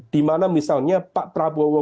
di mana misalnya pak prabowo